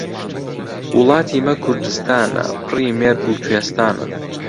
وڵاتی مە کوردستانە، پڕی مێرگ و کوێستانە.